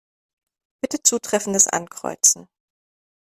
Bitte Zutreffendes ankreuzen.